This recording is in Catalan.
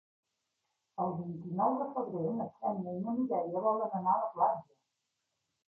El vint-i-nou de febrer na Xènia i na Mireia volen anar a la platja.